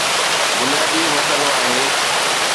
بنيادي مسئلو آهي.